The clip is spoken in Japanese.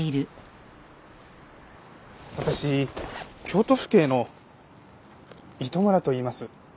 私京都府警の糸村といいます。